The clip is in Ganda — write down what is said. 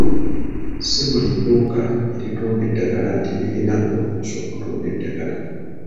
Si buli dduuka eritunda eddagala nti lilina olukusa okutunda eddagala.